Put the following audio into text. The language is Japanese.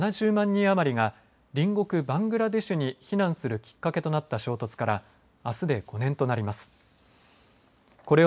人余りが隣国、バングラデシュに避難するきっかけとなった衝突からあすで５年となります。